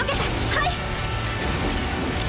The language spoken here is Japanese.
はい！